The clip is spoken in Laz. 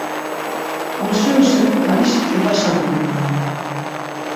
Onçviru şeni ğalişi t̆ibaşa dululvan.